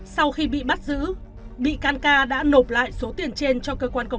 sau khi bị bắt giữ bị can ca đã nộp lại số tiền đó